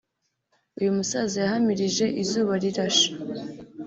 uyu musaza yahamirije Izubarirashe